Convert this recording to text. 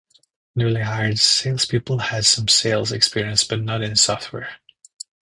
Newly hired salespeople had some sales experience, but not in software.